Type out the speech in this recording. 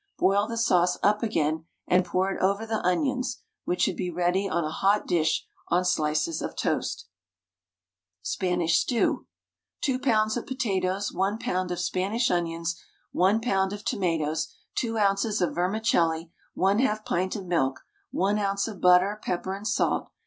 Boil the sauce up again and pour it over the onions, which should be ready on a hot dish on slices of toast. SPANISH STEW. 2 lbs. of potatoes, 1 lb. of Spanish onions, 1 lb. of tomatoes, 2 oz. of vermicelli, 1/2 pint of milk, 1 oz. of butter, pepper and salt.